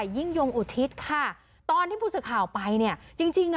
ยิ่งยงอุทิศค่ะตอนที่ผู้สื่อข่าวไปเนี่ยจริงจริงอ่ะ